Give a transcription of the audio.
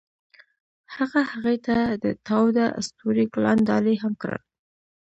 هغه هغې ته د تاوده ستوري ګلان ډالۍ هم کړل.